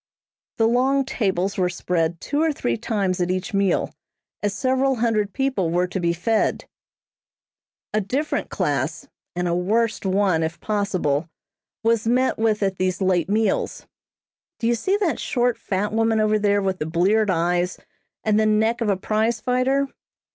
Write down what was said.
The long tables were spread two or three times at each meal, as several hundred people were to be fed. A different class, and a worst one if possible, was met with at these late meals. Do you see that short, fat woman over there with the bleared eyes, and the neck of a prize fighter?